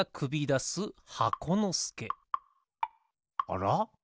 あら？